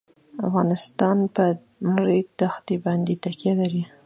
افغانستان په د ریګ دښتې باندې تکیه لري.